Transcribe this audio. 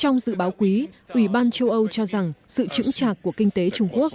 trong dự báo quý ủy ban châu âu cho rằng sự chữ trạc của kinh tế trung quốc